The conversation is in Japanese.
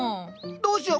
どうしよう？